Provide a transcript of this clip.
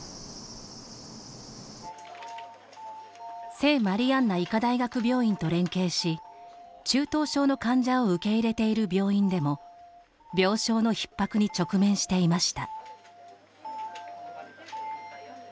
聖マリアンナ医科大学病院と連携し、中等症の患者を受け入れている病院でも病床のひっ迫に直面していました。